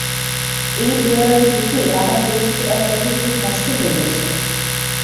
এই ধুলাবালি ঢুকে আমার পরিচিত এক লোকের চোখ নষ্ট হয়ে গেছে।